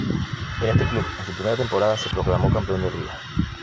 En este club, en su primera temporada, se proclamó campeón de Liga.